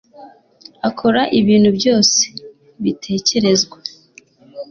akora ibintu byose bitekerezwa